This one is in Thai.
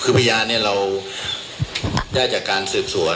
คือพยานเนี่ยเราได้จากการสืบสวน